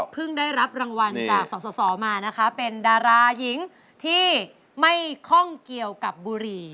ได้รับรางวัลจากสสมานะคะเป็นดาราหญิงที่ไม่ข้องเกี่ยวกับบุรี